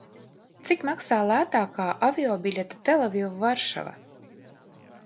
Cik maksā lētākā aviobiļete Telaviva - Varšava?